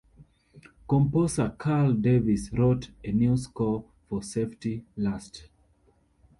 Composer Carl Davis wrote a new score for Safety Last!